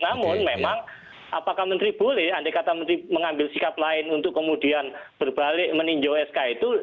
namun memang apakah menteri boleh andai kata menteri mengambil sikap lain untuk kemudian berbalik meninjau sk itu